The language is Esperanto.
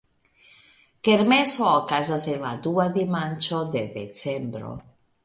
Kermeso okazas en la dua dimanĉo de decembro.